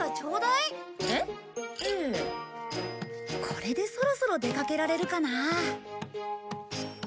これでそろそろ出かけられるかな。